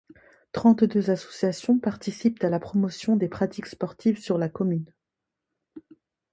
Trente-deux associations participent à la promotion des pratiques sportives sur la commune.